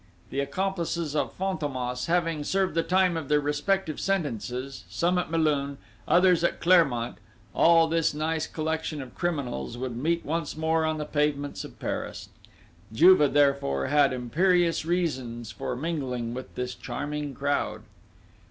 The accomplices of Fantômas, having served the time of their respective sentences, some at Melun, others at Clermont, all this nice collection of criminals would meet once more on the pavements of Paris. Juve, therefore, had imperious reasons for mingling with this charming crowd!...